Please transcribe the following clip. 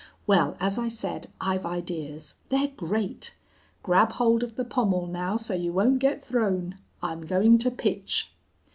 "Well, as I said, I've ideas. They're great. Grab hold of the pommel now so you won't get thrown! I'm going to pitch!...